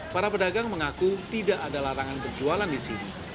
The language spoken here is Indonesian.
para pedagang mengaku tidak ada larangan berjualan di sini